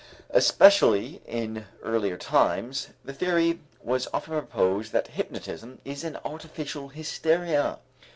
Especially in earlier times, the theory was often proposed that hypnosis is an artificial hysteria.